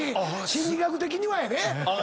心理学的にはやで。